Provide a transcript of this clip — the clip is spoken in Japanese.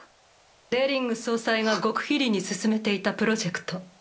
デリング総裁が極秘裏に進めていたプロジェクト。